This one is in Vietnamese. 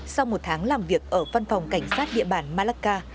sau một tháng làm việc ở văn phòng cảnh sát địa bàn malacca